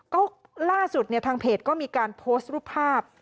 ก็ล่าสุดเนี่ยทางเพจก็มีการโพสต์รูปภาพ